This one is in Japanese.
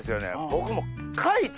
僕も。